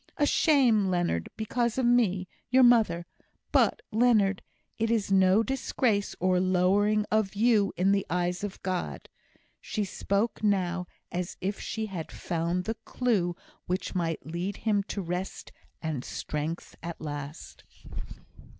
A shame, Leonard, because of me, your mother; but, Leonard, it is no disgrace or lowering of you in the eyes of God." She spoke now as if she had found the clue which might lead him to rest and strength at last.